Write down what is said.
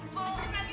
bawalah kita kita